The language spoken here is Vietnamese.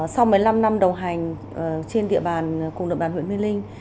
sau một mươi năm năm đồng hành trên địa bàn cùng đội bàn huyện mê linh